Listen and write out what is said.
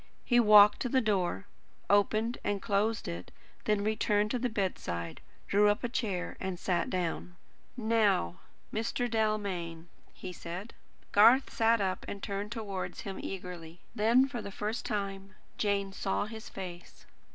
He walked to the door, opened and closed it; then returned to the bedside, drew up a chair, and sat down. "Now, Mr. Dalmain," he said. Garth sat up and turned towards him eagerly. Then, for the first time, Jane saw his face.